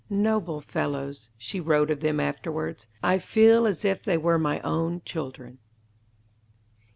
"Noble fellows," she wrote of them afterwards, "I feel as if they were my own children."